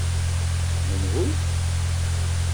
Menhu?